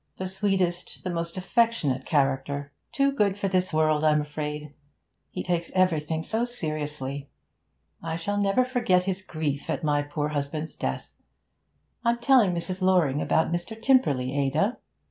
The sweetest, the most affectionate character! Too good for this world, I'm afraid; he takes everything so seriously. I shall never forget his grief at my poor husband's death. I'm telling Mrs. Loring about Mr. Tymperley, Ada.'